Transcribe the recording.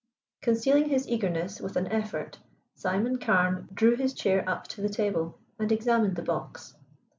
Concealing his eagerness with an effort, Simon Carne drew his chair up to the table, and examined the box.